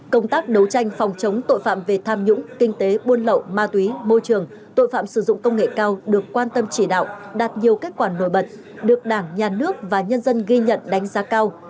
công tác đấu tranh phòng chống tội phạm về tham nhũng kinh tế buôn lậu ma túy môi trường tội phạm sử dụng công nghệ cao được quan tâm chỉ đạo đạt nhiều kết quả nổi bật được đảng nhà nước và nhân dân ghi nhận đánh giá cao